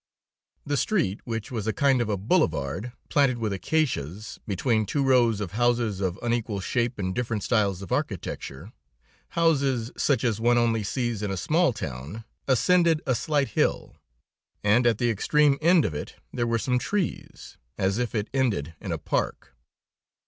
The street, which was a kind of a boulevard, planted with acacias, between two rows of houses of unequal shape and different styles of architecture, houses such as one only sees in a small town, ascended a slight hill, and at the extreme end of it, there were some trees, as if it ended in a park.